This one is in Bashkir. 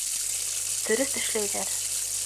Дөрөҫ эшләйҙәр!